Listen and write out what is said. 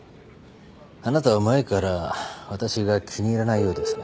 あなたは前から私が気に入らないようですね。